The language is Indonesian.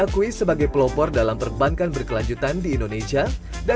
pemirsa pt bank rakyat indonesia